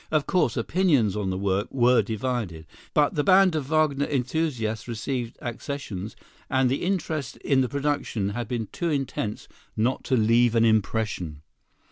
Of course, opinions on the work were divided, but the band of Wagner enthusiasts received accessions, and the interest in the production had been too intense not to leave an impression.